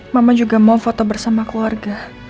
mama juga mau foto bersama keluarga